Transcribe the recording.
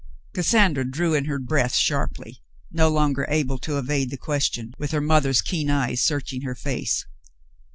Cassandra drew in her breath sharply, no longer able to evade the question, with her mother's keen eyes searching her face.